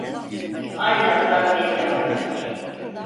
Aynı azap yeniden başlar.